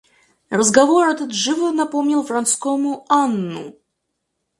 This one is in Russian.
Разговор этот живо напомнил Вронскому Анну.